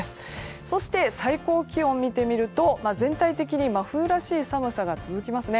そして、最高気温を見てみると全体的に真冬らしい寒さが続きますね。